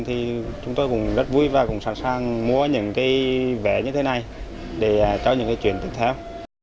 thì chúng tôi cũng rất vui và cũng sẵn sàng mua những cái vé như thế này để cho những cái chuyện tiếp theo